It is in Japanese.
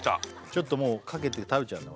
ちょっともうかけて食べちゃうね